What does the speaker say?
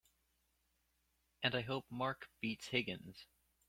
And I hope Mark beats Higgins!